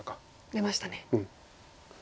出ましたね。